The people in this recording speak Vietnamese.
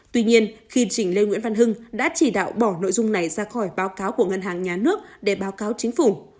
tuy nhiên khi chỉnh lê nguyễn văn hưng đã chỉ đạo bỏ nội dung này ra khỏi báo cáo của ngân hàng nhà nước để báo cáo chính phủ